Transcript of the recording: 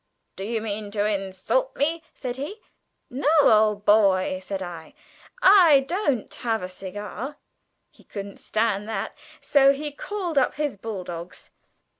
'Do you mean to insult me?' said he. 'No, old boy,' said I, 'I don't; have a cigar?' He couldn't stand that, so he called up his bull dogs.